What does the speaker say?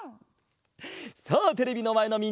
さあテレビのまえのみんな！